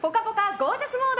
ゴージャスモード